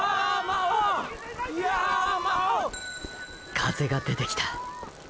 風がでてきた。